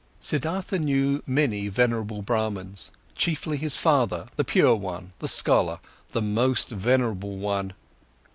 Siddhartha knew many venerable Brahmans, chiefly his father, the pure one, the scholar, the most venerable one.